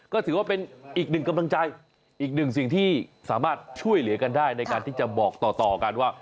ก็ถือว่าเป็นอีกหนึ่งกำลังใจอีกหนึ่งสิ่งที่สามารถช่วยเหลือกันได้ในการที่จะบอกต่อกันว่า